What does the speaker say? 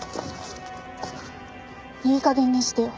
いい加減にしてよ。